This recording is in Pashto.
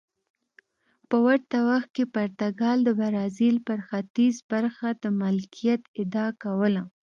په ورته وخت کې پرتګال د برازیل پر ختیځه برخه د مالکیت ادعا کوله.